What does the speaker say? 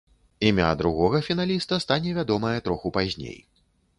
Імя другога фіналіста стане вядомае троху пазней.